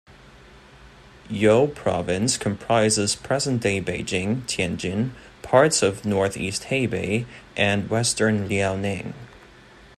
You Province comprises present-day Beijing, Tianjin, parts of northeast Hebei and western Liaoning.